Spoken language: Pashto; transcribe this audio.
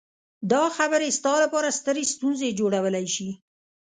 دا خبرې ستا لپاره سترې ستونزې جوړولی شي